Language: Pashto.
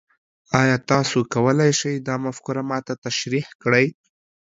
ایا تاسو کولی شئ دا مفکوره ما ته تشریح کړئ؟